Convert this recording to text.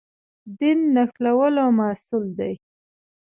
دین نښلولو محصول دی.